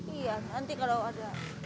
iya nanti kalau ada